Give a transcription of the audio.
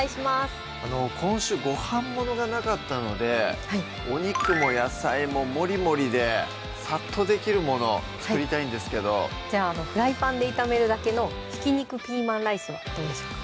今週ご飯ものがなかったのでお肉も野菜もモリモリでサッとできるもの作りたいんですけどじゃあフライパンで炒めるだけの「ひき肉ピーマンライス」はどうでしょうか？